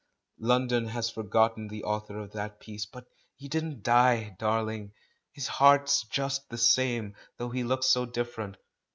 London has forgotten the author of that piece, but he didn't die, darling — his heart's just the same, though he looks so different.